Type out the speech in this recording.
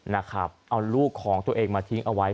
นะครับเอาลูกของตัวเองมาทิ้งเอาไว้